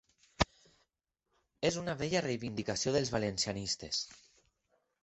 És una vella reivindicació dels valencianistes.